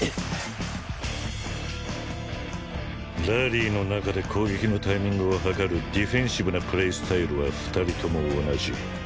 ラリーの中で攻撃のタイミングを計るディフェンシブなプレースタイルは２人とも同じ